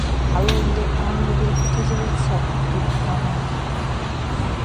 — ХӀялалли гӀямру дуркӀутазивад сай, — иб Мямяйли.